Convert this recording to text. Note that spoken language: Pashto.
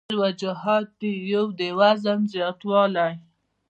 د دې ډېر وجوهات دي يو د وزن زياتوالے ،